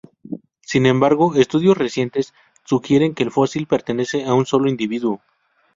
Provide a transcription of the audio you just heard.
Sin embargo, estudios recientes sugieren que el fósil pertenece a un solo individuo.